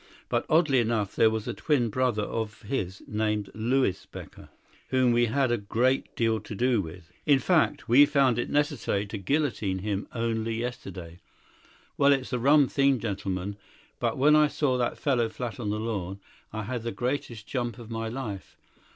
But, oddly enough, there was a twin brother of his, named Louis Becker, whom we had a great deal to do with. In fact, we found it necessary to guillotine him only yesterday. Well, it's a rum thing, gentlemen, but when I saw that fellow flat on the lawn I had the greatest jump of my life.